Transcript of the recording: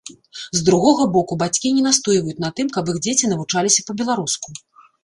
З другога боку, бацькі не настойваюць на тым, каб іх дзеці навучаліся па-беларуску.